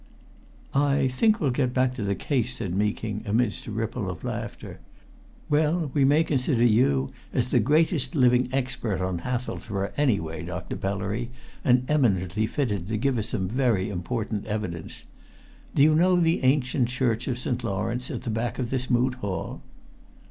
"I think we'll get back to the case," said Meeking, amidst a ripple of laughter. "Well, we may consider you as the greatest living expert on Hathelsborough anyway, Dr. Pellery, and eminently fitted to give us some very important evidence. Do you know the ancient church of St. Lawrence at the back of this Moot Hall?"